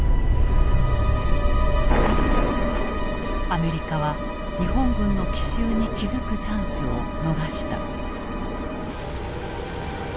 アメリカは日本軍の奇襲に気付くチャンスを逃した。